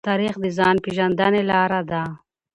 تاریخ د ځان پېژندنې لاره ده.